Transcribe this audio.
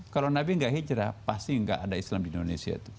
kalau nabi nggak hijrah pasti nggak ada islam di indonesia itu